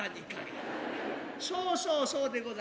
そうそうそうそうでございます。